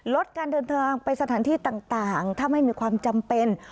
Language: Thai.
ลดการเดินทางไปสถานที่ต่างถ้าไม่มีความจำเป็น